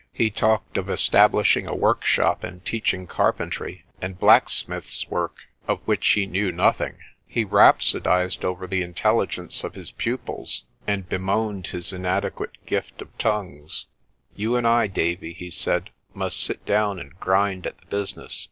He talked of establishing a workshop and teaching carpentry and blacksmith's work, of which he knew nothing. He rhapsodised over the intelligence of his pupils BLAAUWILDEBEESTEFONTEIN 45 and bemoaned his inadequate gift of tongues. "You and I, Davie," he said, "must sit down and grind at the business.